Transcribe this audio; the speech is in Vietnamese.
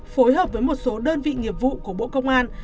phối hợp với một số đơn vị nghiệp vụ của bộ công an